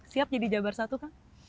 siap jadi jabar satu kah